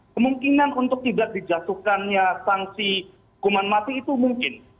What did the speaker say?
kemungkinan untuk tidak dijatuhkannya sanksi hukuman mati itu mungkin